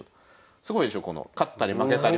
すごいでしょこの勝ったり負けたり。